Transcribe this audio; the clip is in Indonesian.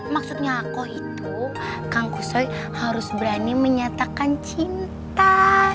maksudnya aku itu kang kusoy harus berani menyatakan cinta